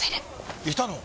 いたの？